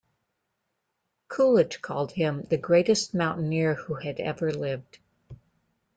Coolidge called him "the greatest mountaineer who had ever lived".